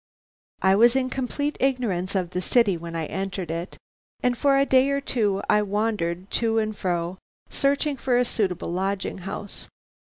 "I was in complete ignorance of the city when I entered it, and for a day or two I wandered to and fro, searching for a suitable lodging house.